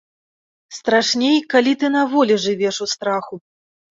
Страшней, калі ты на волі жывеш у страху.